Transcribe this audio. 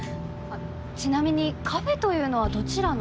ちなみにカフェというのはどちらの？